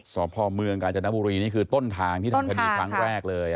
สพเมืองกาญจนบุรีนี่คือต้นทางที่ทำคดีครั้งแรกเลย